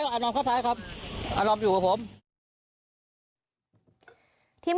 ยังเหมือนกับน้องื้อ